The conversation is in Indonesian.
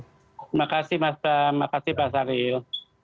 terima kasih pak syahril